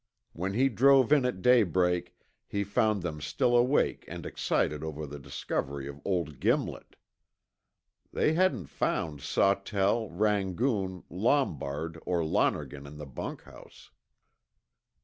When he drove in at daybreak, he found them still awake and excited over the discovery of old Gimlet. They hadn't found Sawtell, Rangoon, Lombard, or Lonergan in the bunkhouse.